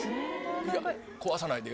いや、壊さないでよ。